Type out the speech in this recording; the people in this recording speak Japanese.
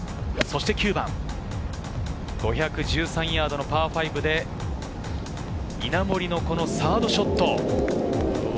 ９番、５１３ヤードのパー５で、稲森のこのサードショット。